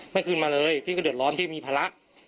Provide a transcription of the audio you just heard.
คืนมาเลยพี่ก็เดือดร้อนพี่มีภาระ